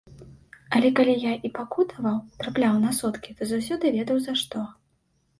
Але калі я і пакутаваў, трапляў на суткі, то заўсёды ведаў за што.